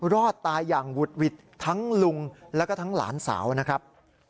รอดตายอย่างหุดหวิดทั้งลุงแล้วก็ทั้งหลานสาวนะครับ